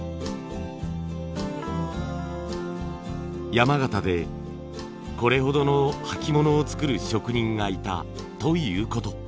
山形でこれほどの履物を作る職人がいたということ。